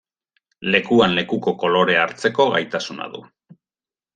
Lekuan lekuko kolorea hartzeko gaitasuna du.